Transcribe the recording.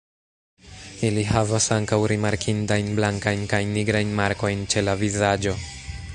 Ili havas ankaŭ rimarkindajn blankajn kaj nigrajn markojn ĉe la vizaĝo.